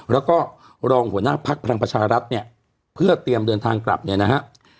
แล้วก็รองหัวหน้าภักดิ์พลังประชารัฐเนี่ยเพื่อเตรียมเดินทางกลับเนี่ยนะฮะ